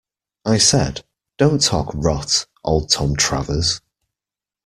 I said, 'Don't talk rot, old Tom Travers.'